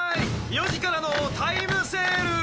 ４時からのタイムセール！